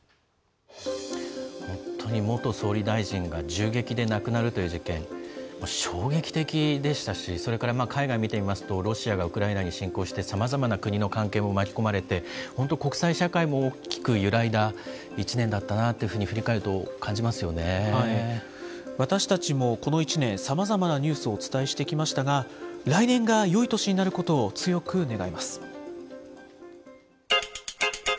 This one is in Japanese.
本当に元総理大臣が銃撃で亡くなるという事件、衝撃的でしたし、それから海外見てみますと、ロシアがウクライナに侵攻して、さまざまな国の関係も巻き込まれて、本当、国際社会も大きく揺らいだ１年だったなというふうに、私たちもこの１年、さまざまなニュースをお伝えしてきましたが、来年がよい年になることを強く願います。